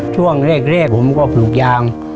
ช่วงแรกผมก็ปลูกยาง